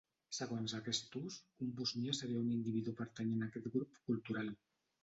Segons aquest ús, un bosnià seria un individu pertanyent a aquest grup cultural.